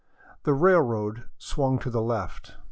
The railroad swung to the left.